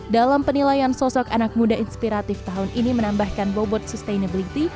dalam penilaian sosok anak muda inspiratif tahun ini menambahkan bobot sustainability